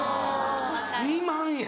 ２万円！